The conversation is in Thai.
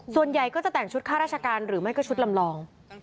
ส่วนใหญ่ก็จะแต่งชุดค่าราชการหรือไม่ก็ชุดลำลอง